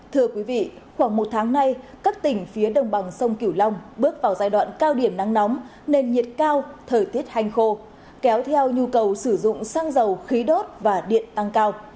thưa quý vị khoảng một tháng nay các tỉnh phía đồng bằng sông kiểu long bước vào giai đoạn cao điểm nắng nóng nền nhiệt cao thời tiết hành khô kéo theo nhu cầu sử dụng xăng dầu khí đốt và điện tăng cao